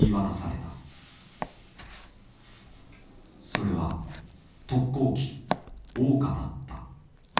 それは特攻機「桜花」だった。